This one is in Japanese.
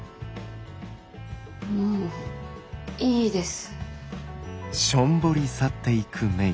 もういいです。